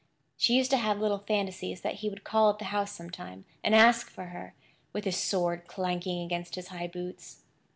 She used to have little fancies that he would call at the house sometime, and ask for her, with his sword clanking against his high boots.